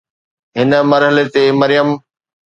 هن مرحلي تي مريم